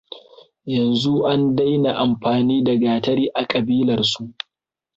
Yanzu an daina amfani da gatari a kabilarsu.